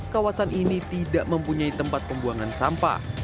kawasan ini tidak mempunyai tempat pembuangan sampah